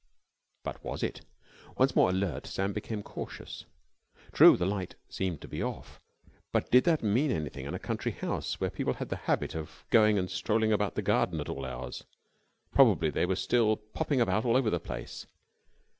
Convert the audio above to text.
But was it? Once more alert, Sam became cautious. True, the light seemed to be off, but did that mean anything in a country house, where people had the habit of going and strolling about the garden at all hours? Probably they were still popping about all over the place.